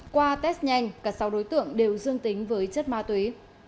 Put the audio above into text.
qua test nhanh cả sáu đối tượng đều dương tính với chất ma túy